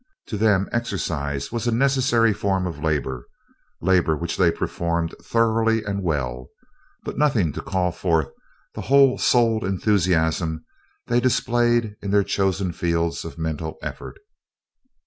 To them, exercise was a necessary form of labor labor which they performed thoroughly and well but nothing to call forth the whole souled enthusiasm they displayed in their chosen fields of mental effort.